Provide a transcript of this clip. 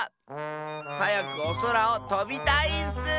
はやくおそらをとびたいッス！